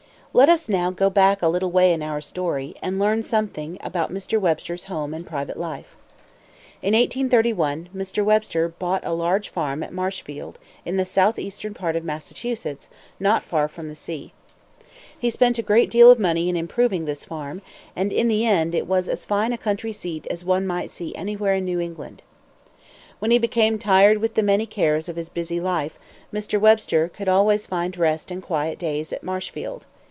Let us now go back a little way in our story, and learn something about Mr. Webster's home and private life. [Illustration: The Mansion Marshfield] [Illustration: The Library] [Illustration: The Tomb] In 1831, Mr. Webster bought a large farm at Marshfield, in the southeastern part of Massachusetts, not far from the sea. He spent a great deal of money in improving this farm; and in the end it was as fine a country seat as one might see anywhere in New England. When he became tired with the many cares of his busy life, Mr. Webster could always find rest and quiet days at Marshfield.